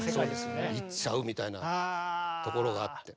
うん。いっちゃうみたいなところがあって。